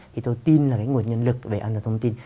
thì tôi tin là cái nguồn nhân lực về an toàn thông tin